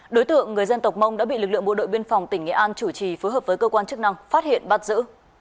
đối tượng người dân tộc mông đã bị lực lượng bộ đội biên phòng tỉnh nghệ an chủ trì phối hợp với cơ quan chức năng phát hiện bắt giữ